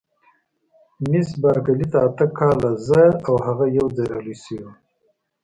مس بارکلي: اته کاله، زه او هغه یوځای را لوي شوي وو.